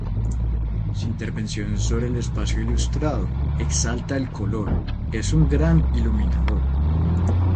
Su intervención sobre el espacio ilustrado exalta el color, es un gran iluminador.